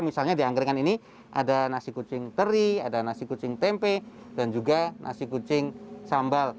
misalnya di angkringan ini ada nasi kucing teri ada nasi kucing tempe dan juga nasi kucing sambal